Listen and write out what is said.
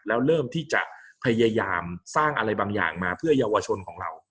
แล้วเริ่มที่จะพยายามสร้างอะไรบางอย่างมาเพื่อเยาวชนของเรา